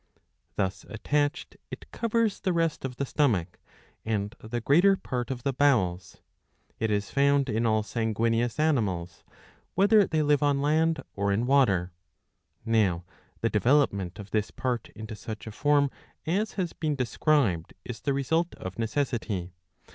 Thus attached, it covers the rest of the stomach and the greater part of the bowels. It is found in all sanguineous animals whether they live on land .or in water.^ Now the development of this part into such a form as has been described is the result of necessity.